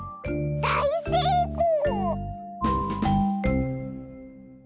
だいせいこう！